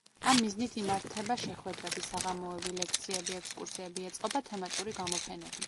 ამ მიზნით იმართება შეხვედრები, საღამოები, ლექციები, ექსკურსიები, ეწყობა თემატური გამოფენები.